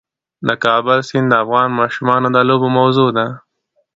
د کابل سیند د افغان ماشومانو د لوبو موضوع ده.